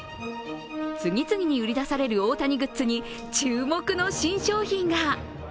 次々に売り出される大谷グッズに注目の新商品が。